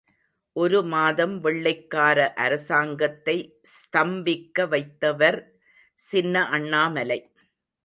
ஒரு மாதம் வெள்ளைக்கார அரசாங்கத்தை ஸ்தம்பிக்க வைத்தவர் சின்ன அண்ணாமலை.